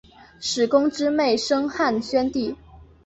史恭之妹生汉宣帝。